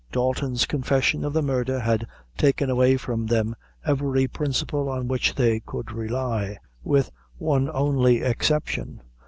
Dalton's confession of the murder had taken away from them every principle upon which they could rely, with one only exception.